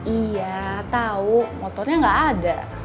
iya tau motornya gak ada